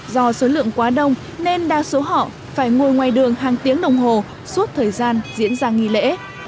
do số lượng quá đông nên đa số họ phải ngồi ngoài đường hàng tiếng đồng hồ suốt thời gian diễn ra nghi lễ